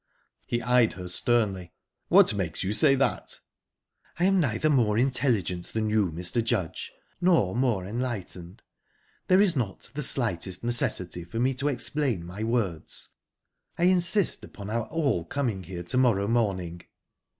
He eyed her sternly. "What makes you say that?" "I am neither more intelligent than you, Mr. Judge, not more enlightened; there is not the slightest necessity for me to explain my words. I insist upon our all coming here to morrow morning."